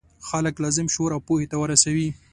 خلک لازم شعور او پوهې ته ورسوي.